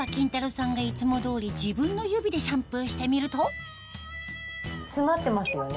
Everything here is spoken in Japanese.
さんがいつも通り自分の指でシャンプーしてみると詰まってますよね？